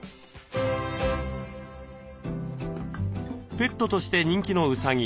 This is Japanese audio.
ペットとして人気のうさぎ。